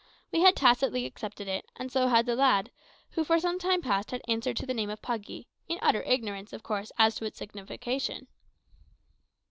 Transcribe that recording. We had tacitly accepted it, and so had the lad, who for some time past had answered to the name of Puggy, in utter ignorance, of course, as to its signification.